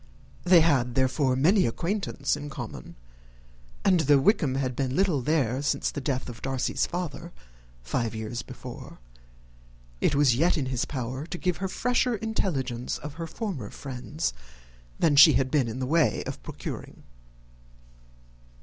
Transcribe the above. They had, therefore, many acquaintance in common; and, though Wickham had been little there since the death of Darcy's father, five years before, it was yet in his power to give her fresher intelligence of her former friends than she had been in the way of procuring.